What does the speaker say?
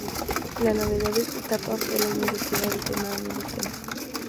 La novedad de esta etapa fue la iniciativa del tema dominicano.